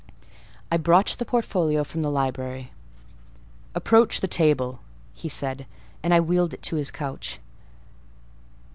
I brought the portfolio from the library. "Approach the table," said he; and I wheeled it to his couch.